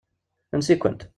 Ansi-kent?